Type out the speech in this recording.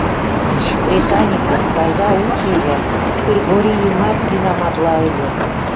Кресаньыкын таза ушыжо Кыргорийымат винаматла ыле.